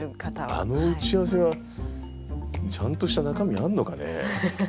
あの打ち合わせはちゃんとした中身あんのかね。